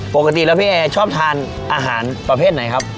ปกติแล้วพี่เอชอบทานอาหารประเภทไหนครับ